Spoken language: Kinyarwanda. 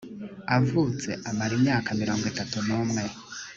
avutse amara imyaka mirongo itatu n umwe